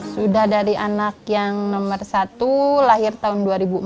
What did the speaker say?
sudah dari anak yang nomor satu lahir tahun dua ribu empat